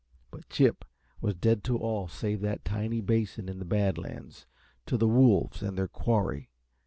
But Chip was dead to all save that tiny basin in the Bad Lands to the wolves and their quarry.